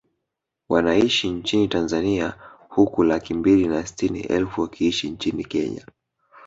Wanaishi nchini Tanzania huku laki mbili na sitini elfu wakiishi nchini Kenya